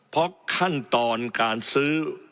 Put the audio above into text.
เพราะขั้นตอนการซื้อ